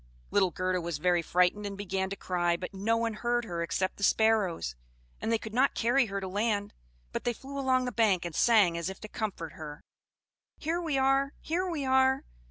Little Gerda was very frightened, and began to cry; but no one heard her except the sparrows, and they could not carry her to land; but they flew along the bank, and sang as if to comfort her, "Here we are! Here we are!"